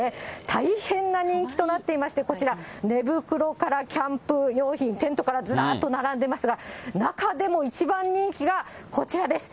大変な人気となっていまして、こちら、寝袋からキャンプ用品、テントからずらっと並んでますが、中でも一番人気がこちらです。